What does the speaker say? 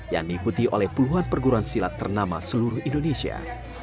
yang diikuti oleh puluhan perguruan silat ternama seluruh indonesia